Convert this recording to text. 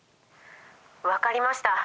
分かりました。